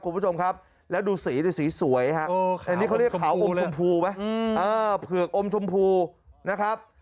คุณผู้ชมครับแล้วดูสีดิสีสวยฮะอันนี้เขาเรียกขาวอมชมพูไหมเผือกอมชมพูนะครับ